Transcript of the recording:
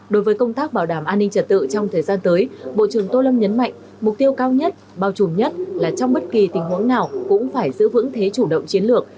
đối với công tác bảo đảm an ninh trật tự trong thời gian tới bộ trưởng tô lâm nhấn mạnh mục tiêu cao nhất bao trùm nhất là trong bất kỳ tình huống nào cũng phải giữ vững thế chủ động chiến lược